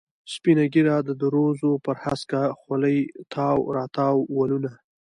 سپینه ږیره، د دروزو پر هسکه خولې تاو را تاو ولونه.